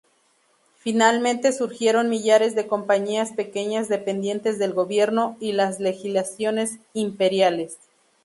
Finalmente surgieron millares de compañías pequeñas dependientes del gobierno y las legislaciones imperiales.